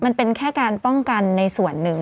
มันเป็นแค่การป้องกันในส่วนหนึ่ง